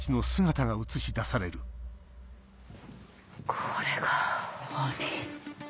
これが鬼。